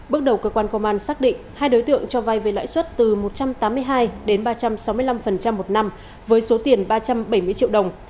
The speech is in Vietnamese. bước đầu cơ quan công an xác định hai đối tượng cho vai về lãi suất từ một trăm tám mươi hai đến ba trăm sáu mươi năm một năm với số tiền ba trăm bảy mươi triệu đồng